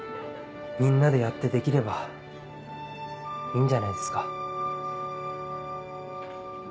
みんなでやってできればいいんじゃないですか？